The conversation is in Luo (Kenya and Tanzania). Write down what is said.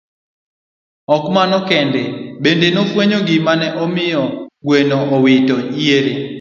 Ok mano kende, bende nofwenyo gima ne omiyo gweno owito yiere.